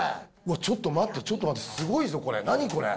ちょっと待って、ちょっと待って、すごいぞ、これ、何これ。